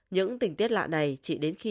những tình tiết lạ này chỉ đến khi